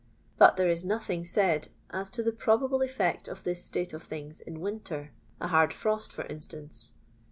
But there is nothing said as to the probable effect of this state of things in win ter— a hard frost for instance.